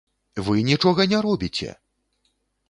Вы нічога не робіце!